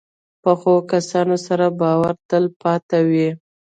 پخو کسانو سره باور تل پاتې وي